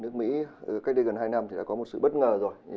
nước mỹ cách đây gần hai năm thì đã có một sự bất ngờ rồi